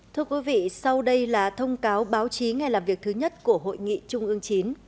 thưa quý vị sau đây là thông cáo báo chí ngày làm việc thứ nhất của hội nghị trung ương chín